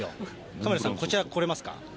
カメラさん、こちら来れますか。